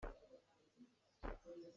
Na tuah khawh lai tiah ka ruah.